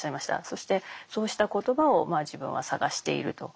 そしてそうした言葉を自分は探していると。